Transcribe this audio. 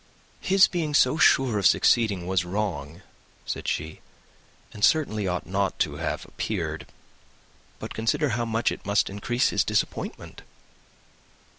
"His being so sure of succeeding was wrong," said she, "and certainly ought not to have appeared; but consider how much it must increase his disappointment."